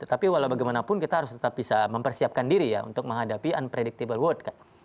tapi walau bagaimanapun kita harus tetap bisa mempersiapkan diri ya untuk menghadapi unpredictable world